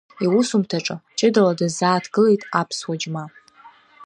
Иусумҭаҿы ҷыдала дазааҭгылеит аԥсуа џьма.